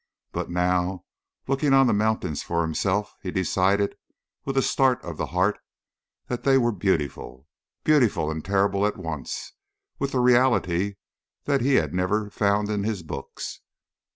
But now, looking on the mountains for himself, he decided, with a start of the heart, that they were beautiful beautiful and terrible at once, with the reality that he had never found in his books.